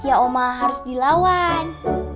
ya oma harus dilawan